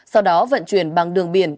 sau đó vận chuyển bằng đường biển